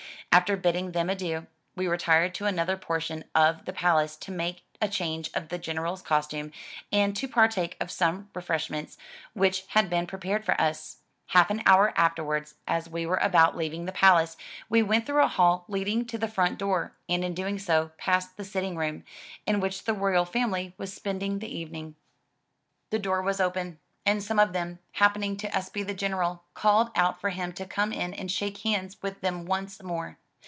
After bidding them adieu, we retired to another portion of the palace to make a change of the General's costume, and to partake of some refreshments which had been prepared for us. Half an hour afterwards, as we were about leaving the palace, we went through a hall leading to the front door, and in doing so, passed the sitting room, in which the royal family was spending the evening. The door 174 THE TREASURE CHEST was open, and some of them, happening to espy the General, called out for him to come in and shake hands with them once more.